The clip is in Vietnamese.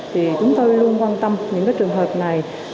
thì chúng tôi luôn quan tâm những cái trường hợp này